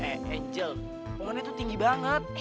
eh angel kualnya tuh tinggi banget